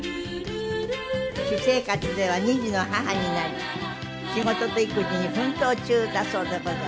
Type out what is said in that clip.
私生活では２児の母になり仕事と育児に奮闘中だそうでございます。